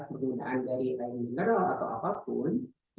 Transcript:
penggunaan dari mineral atau apapun